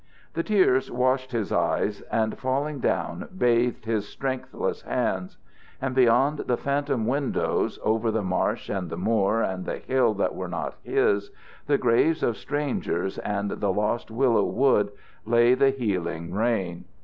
The tears washed his eyes and falling down bathed his strengthless hands. And beyond the phantom windows, over the marsh and the moor and the hill that were not his, the graves of strangers and the lost Willow Wood, lay the healing rain.